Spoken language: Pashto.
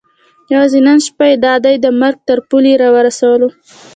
یوازې نن شپه یې دا دی د مرګ تر پولې را ورسولو.